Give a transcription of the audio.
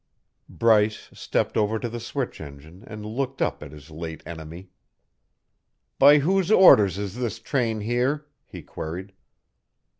Bryce stepped over to the switch engine and looked up at his late enemy. "By whose orders is this train here?" he queried.